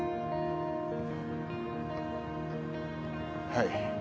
はい。